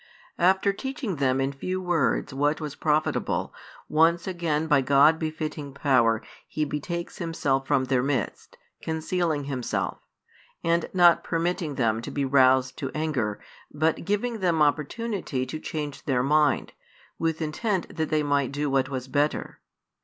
After teaching them in few words what was profitable, once again by God befitting power He betakes Himself from their midst, concealing Himself; and not permitting them to be roused to anger, but giving them opportunity to change their mind, with intent that they might do what was better.